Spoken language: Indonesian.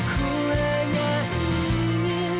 shh diam diam